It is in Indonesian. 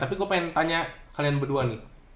tapi gue pengen tanya kalian berdua nih